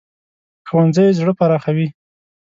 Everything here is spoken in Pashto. ښوونځی زړه پراخوي